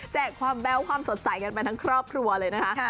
ความแบ๊วความสดใสกันไปทั้งครอบครัวเลยนะคะ